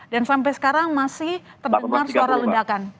dan sampai sekarang masih terdengar suara ledakan